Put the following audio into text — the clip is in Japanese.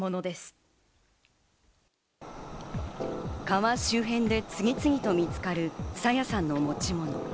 川周辺で次々と見つかる朝芽さんの持ち物。